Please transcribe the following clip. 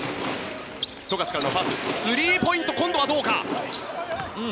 富樫からのパススリーポイント、今度はどうか？